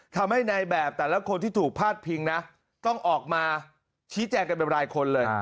ทำให้ในแบบแต่ละคนที่ถูกพาดพิงนะต้องออกมาชี้แจงกันเป็นรายคนเลย